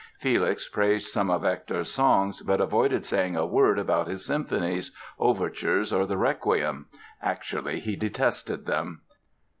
Felix praised some of Hector's songs but avoided saying a word about his symphonies, overtures or the Requiem (actually, he detested them!)